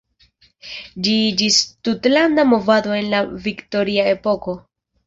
Ĝi iĝis tutlanda movado en la Viktoria epoko.